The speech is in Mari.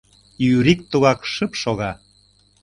Юрик тугак шып шога.